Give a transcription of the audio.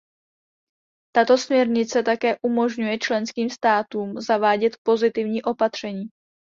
Tato směrnice také umožňuje členským státům zavádět pozitivní opatření.